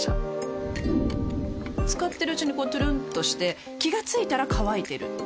使ってるうちにこうトゥルンとして気が付いたら乾いてる